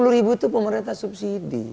sepuluh ribu itu pemerintah subsidi